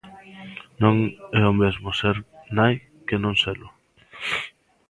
Non é o mesmo ser nai que non selo.